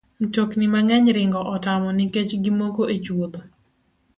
Mtokni mang'eny ringo tamo nikech gimoko e chwodho.